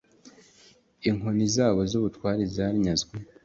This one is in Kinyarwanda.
inkoni zabo z’ubutware zanyazwe